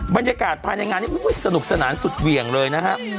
บรรยากาศภายในงานนี้สนุกสนานสุดเหวี่ยงเลยนะฮะ